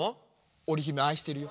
おりひめあいしてるよ。